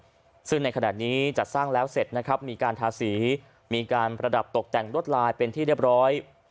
ซึ่งในขณะนี้จัดสร้างแล้วเสร็จนะครับมีการทาสีมีการประดับตกแต่งรวดลายเป็นที่เรียบร้อย